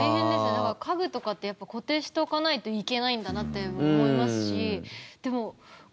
だから、家具とかってやっぱり固定しておかないといけないんだなって思いますし。